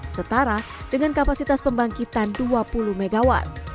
setara dengan kapasitas pembangkitan dua puluh mw